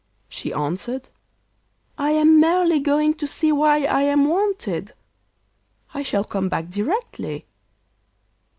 she answered. 'I am merely going to see why I am wanted. I shall come back directly.